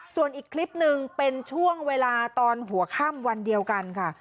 ส่วนอีกคลิปหนึ่งเป็นช่วงเวลาตอนหัวค่ำวันเดียวกันค่ะ